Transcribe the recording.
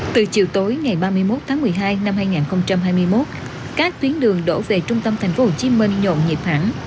từ chiều tối ngày ba mươi một tháng một mươi hai năm hai nghìn hai mươi một các tuyến đường đổ về trung tâm thành phố hồ chí minh nhộn nhịp hẳn